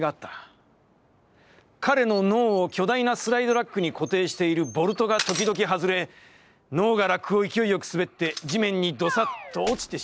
彼の脳を巨大なスライド・ラックに固定しているボルトがときどきはずれ、脳がラックを勢いよく滑って、地面にどさっと落ちてしまうのだ。